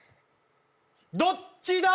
どっちだ？